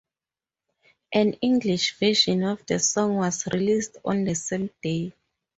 An English version of the song was released on the same day.